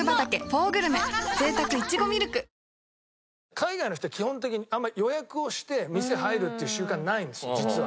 海外の人って基本的にあんまり予約をして店入るっていう習慣ないんですよ実は。